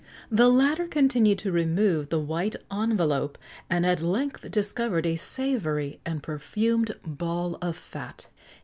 The latter continued to remove the white envelope, and at length discovered a savoury and perfumed ball of fat.